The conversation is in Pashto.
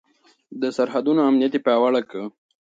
د سرحدونو امنيت يې پياوړی کړ.